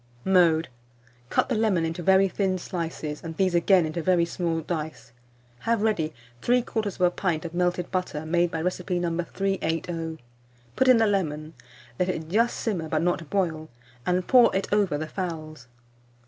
380. Mode. Cut the lemon into very thin slices, and these again into very small dice. Have ready 3/4 pint of melted butter, made by recipe No. 380; put in the lemon; let it just simmer, but not boil, and pour it over the fowls.